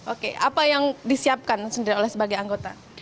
oke apa yang disiapkan sendiri oleh sebagai anggota